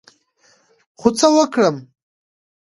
خو څه وکړم،